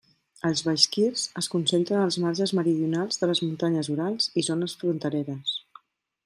Els baixkirs es concentren als marges meridionals de les Muntanyes Urals i zones frontereres.